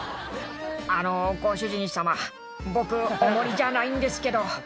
「あのご主人様僕重りじゃないんですけど」